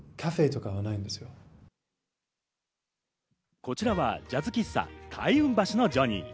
こちらはジャズ喫茶・開運橋のジョニー。